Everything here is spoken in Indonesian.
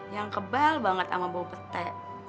yang kebal banget sama bau petai